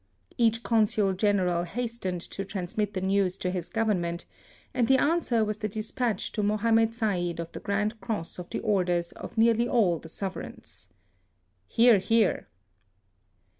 Each Consul General hastened to transmit the news to his Government, and the answer was the despatch to Moham med Said of the Grand Cross of the Orders of nearly all the sovereigns. (Hear, hear.)